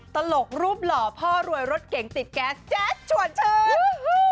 ตลกรูปหล่อพ่อรวยรถเก่งติดแก๊สแจ๊ดชวนเชิญ